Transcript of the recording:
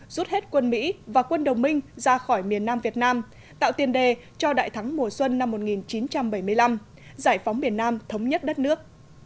rút hết quân mỹ và quân đồng minh ra khỏi miền nam việt nam tạo tiền đề cho đại thắng mùa xuân năm một nghìn chín trăm bảy mươi năm giải phóng miền nam thống nhất đất nước